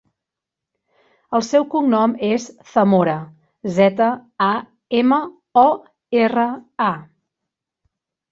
El seu cognom és Zamora: zeta, a, ema, o, erra, a.